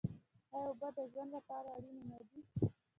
ایا اوبه د ژوند لپاره اړینې دي؟